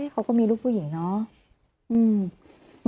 เขาก็มีลูกผู้หญิงเนาะ